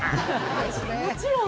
もちろん。